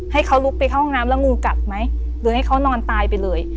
ให้เขาลุกไปเข้าห้องน้ำแล้วงูกัดไหมโดยให้เขานอนตายไปเลย